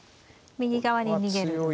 右側に逃げると。